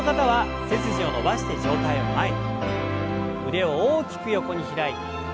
腕を大きく横に開いて。